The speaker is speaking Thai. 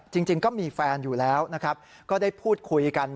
จริงก็มีแฟนอยู่แล้วนะครับก็ได้พูดคุยกัน